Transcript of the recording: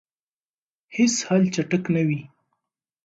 هیڅ حل چټک نه وي.